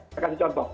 saya kasih contoh